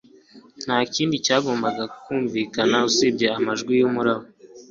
Ntakindi cyagombaga kumvikana usibye amajwi yumuraba